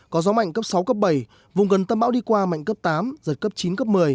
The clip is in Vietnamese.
có gió mạnh cấp sáu cấp bảy vùng gần tâm bão đi qua mạnh cấp tám giật cấp chín cấp một mươi